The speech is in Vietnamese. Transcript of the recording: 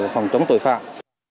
phòng chống tội phạm